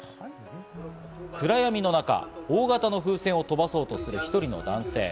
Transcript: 暗闇の中、大型の風船を飛ばそうとする１人の男性。